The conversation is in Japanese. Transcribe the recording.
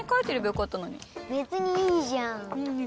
別にいいじゃん。